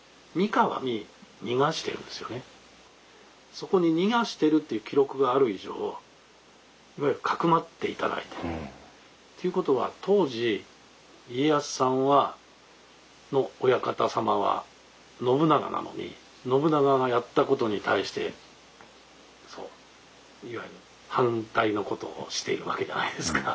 そこに逃がしてるっていう記録がある以上いわゆるかくまって頂いてるということは当時家康さんの親方様は信長なのに信長がやったことに対していわゆる反対のことをしているわけじゃないですか。